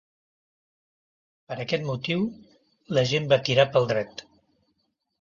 Per aquest motiu, la gent va tirar pel dret.